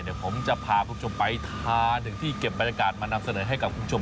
เดี๋ยวผมจะพาคุณผู้ชมไปทานถึงที่เก็บบรรยากาศมานำเสนอให้กับคุณผู้ชม